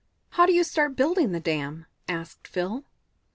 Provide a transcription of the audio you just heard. "How do you start building the dam?" asked Phil.